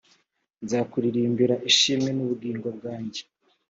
nzakuririmbira ishimwe n ‘ubugingo bwanjye.